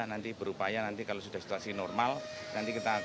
nanti berupaya nanti kalau sudah situasi normal nanti kita akan